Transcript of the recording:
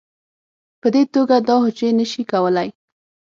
په دې توګه دا حجرې نه شي کولی